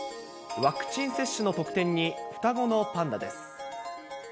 ワクチン接種の特典に、双子のパンダです。